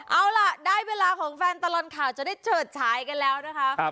เอาล่ะได้เวลาของแฟนตลอดข่าวจะได้เฉิดฉายกันแล้วนะคะ